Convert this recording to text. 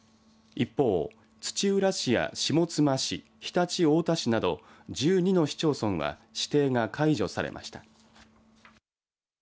一方、土浦市や下妻市常陸太田市など、１２の市町村は指定が解除されました。